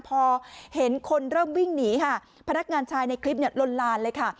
พอเห็นคนเริ่มวิ่งหนีค่ะพนักงานชายในคลิปเนี่ยลนลานเลยค่ะ